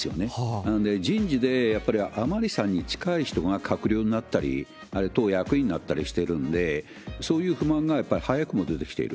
なので、人事でやっぱり甘利さんに近い人が閣僚になったり、あるいは党役員になったりしてるんで、そういう不満がやっぱり早くも出てきている。